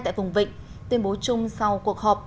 tại vùng vị tuyên bố chung sau cuộc họp